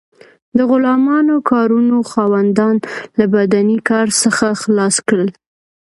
د غلامانو کارونو خاوندان له بدني کار څخه خلاص کړل.